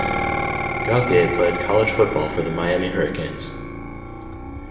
Gauthier played college football for the Miami Hurricanes.